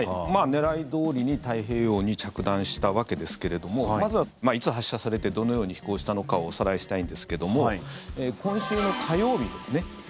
狙いどおりに太平洋に着弾したわけですけどもまずは、いつ発射されてどのように飛行したのかをおさらいしたいんですけども今週の火曜日ですね。